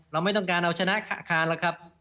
เราไม่ต้องการเอาชนะคาลแล้วครับ